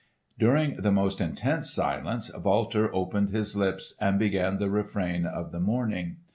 During the most intense silence Walter opened his lips and began the refrain of the morning.